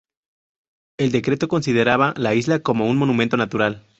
El decreto consideraba la isla como un "monumento natural".